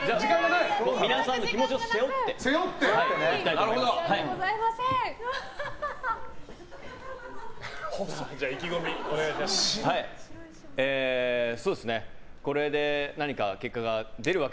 皆さんの気持ちを背負っていきたいと思います。